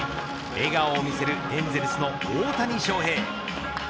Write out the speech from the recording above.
笑顔を見せるエンゼルスの大谷翔平。